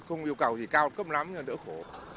không yêu cầu gì cao cấp lắm đỡ khổ